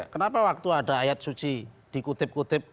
kenapa waktu ada ayat suci dikutip kutip